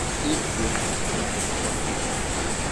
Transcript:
I tuo nashi kwet njap.